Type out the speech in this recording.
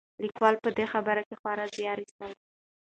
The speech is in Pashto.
لیکوال په دې برخه کې خورا زیار ایستلی.